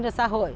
cho xã hội